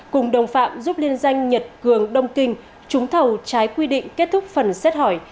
cùng đồng phạm giúp liên danh nhật cường đông kinh trúng thầu trái quy định kết thúc phần xét hỏi